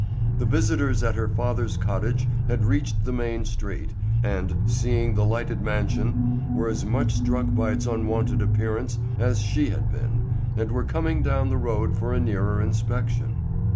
The visitors at her father's cottage had reached the main street, and, seeing the lighted mansion, were as much struck by its unwonted appearance as she had been, and were coming down the road for a nearer inspection.